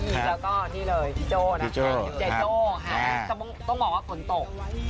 แล้วก็นี่เลยที่โจ๊ะนะคะจ่ายโจ๊ะค่ะต้องบอกว่ากล่นตก